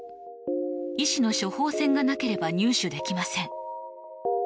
医師の処方箋がなければ入手できません。